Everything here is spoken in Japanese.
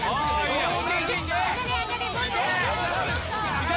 いけ！